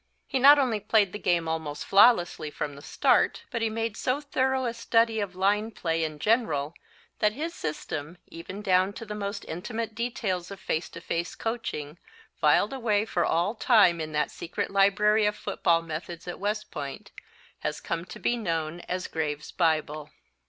He not only played the game almost flawlessly from the start, but he made so thorough a study of line play in general that his system, even down to the most intimate details of face to face coaching filed away for all time in that secret library of football methods at West Point, has come to be known as Graves' Bible.